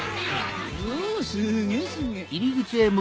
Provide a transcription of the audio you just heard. おすげぇすげぇ。